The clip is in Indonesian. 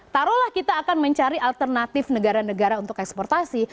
taruhlah kita akan mencari alternatif negara negara untuk eksportasi